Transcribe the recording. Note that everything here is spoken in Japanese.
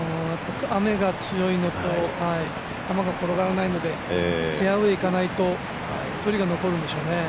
雨が強いのと、球が転がらないのでフェアウエーにいかないと距離が残るんでしょうね。